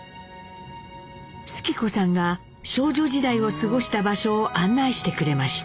主基子さんが少女時代を過ごした場所を案内してくれました。